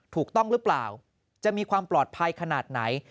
ถูกต้องหรือเปล่าจะมีความปลอดภัยขนาดไหน